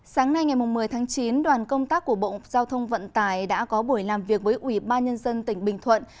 sáng nay ngày một mươi tháng chín đoàn công tác của bộ giao thông vận tải đã có buổi làm việc với ubnd tỉnh bình thuận